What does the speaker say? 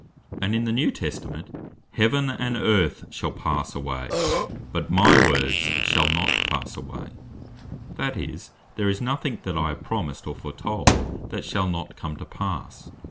And in the New Testament (Mat. 24.35.) "heaven and earth shal pass away, but my Words shall not pass away;" that is, there is nothing that I have promised or foretold, that shall not come to passe.